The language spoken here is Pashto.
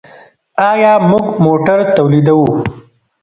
آیا موږ موټر تولیدوو؟